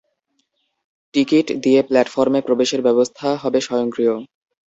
Ticket দিয়ে প্ল্যাটফর্মে প্রবেশের ব্যবস্থা হবে স্বয়ংক্রিয়।